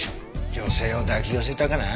女性を抱き寄せたかな？